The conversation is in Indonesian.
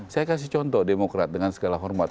saya kasih contoh demokrat dengan segala hormat